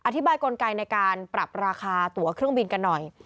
อธิบายกลไกในการปรับราคาตัวเครื่องบินกันหน่อย